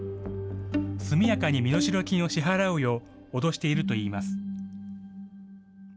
速やかに身代金を支払うよう、脅しているといいます。